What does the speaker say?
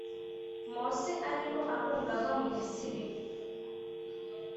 Mose arimo ahunga ava mu Misiri